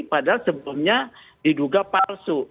padahal sebelumnya diduga palsu